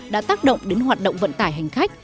đã tác động đến hoạt động vận tải hành khách